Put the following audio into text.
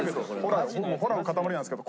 ホラの塊なんですけど。